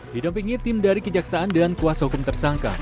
di dampingi tim dari kejaksaan dan kuasa hukum tersangka